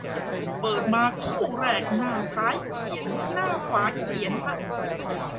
เปิดมาคู่แรก หน้าซ้ายเขียน หน้าขวาเขียน ฮะ